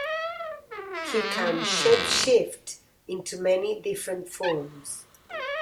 He can shapeshift into many different forms.